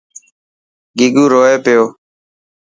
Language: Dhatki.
گيگو روئي پيو.